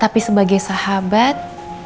tapi sebagai sahabat